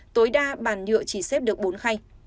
tối đa bàn nhựa chỉ xếp được bốn khai